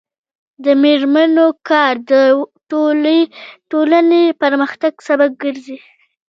د میرمنو کار د ټولنې پرمختګ سبب ګرځي.